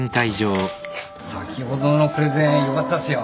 先ほどのプレゼンよかったっすよ。